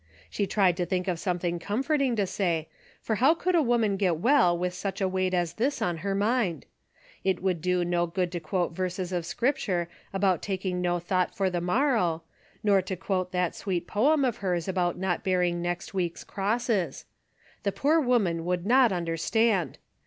She tried to think of something comforting to say, for how could a woman get well Avith such a weight as this on her mind ? It Avould do no good to quote verses of Scripture about taking no thought for the morrow, nor to quote that sweet poem of hers about not bear ing next week's crosses. The poor Avoman would not understand.